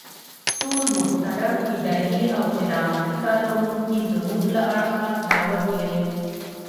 ټول محترم اداري او خدماتي کارکوونکي زمونږ له اړخه دعوت يئ.